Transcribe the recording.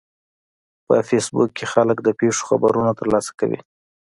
په فېسبوک کې خلک د پیښو خبرونه ترلاسه کوي